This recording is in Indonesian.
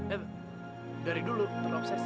eh dari dulu terobsesi